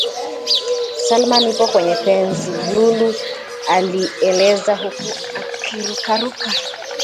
Salma nipo kwenye penzi" Lulu alieleza huku akirukaruka